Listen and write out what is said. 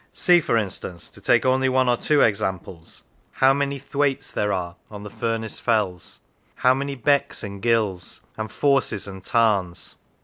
See, for instance, to take only 59 Lancashire one or two examples, how many thwaites there are on the Furness fells, how many becks, and gills, and forces, and tarns.